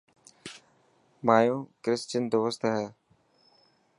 مايو ڪرسچن دوست هي.